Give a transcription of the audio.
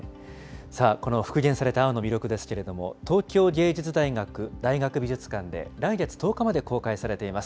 この復元された青の弥勒ですけれども、東京藝術大学大学美術館で、来月１０日まで公開されています。